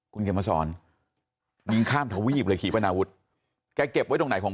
คุณเข็มมาสอนยิงข้ามทวีปเลยขี่ปนาวุฒิแกเก็บไว้ตรงไหนของ